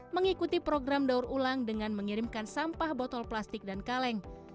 mengikuti program daur ulang dengan mengirimkan sampah botol plastik dan kaleng